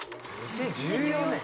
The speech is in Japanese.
「２０１４年？」